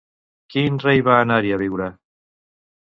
Quin rei va anar-hi a viure?